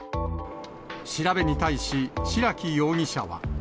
調べに対し白木容疑者は。